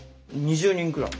２０人くらい。